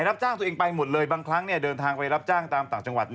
รับจ้างตัวเองไปหมดเลยบางครั้งเดินทางไปรับจ้างตามต่างจังหวัด